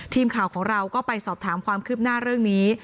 ทีมข่าวของเราก็ไปสอบถามความคืบหน้าเรื่องนี้